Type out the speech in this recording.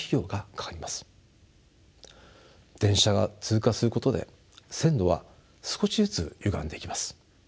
電車が通過することで線路は少しずつゆがんでいきます。